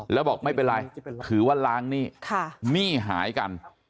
แล้วบอกไม่เป็นไรถือว่าล้างหนี้หนี้หายกัน